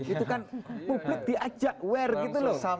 itu kan publik diajak wear gitu loh